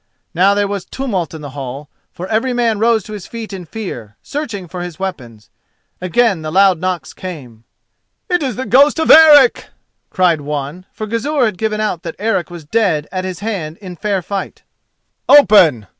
Now there was tumult in the hall, for every man rose to his feet in fear, searching for his weapons. Again the loud knocks came. "It is the ghost of Eric!" cried one, for Gizur had given out that Eric was dead at his hand in fair fight. "Open!"